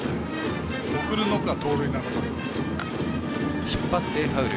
送るのか、盗塁なのか。